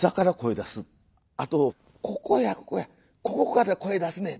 あと「ここやここやここから声出すねん」